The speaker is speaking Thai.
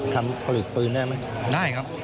ทำผลิตปืนได้ไหม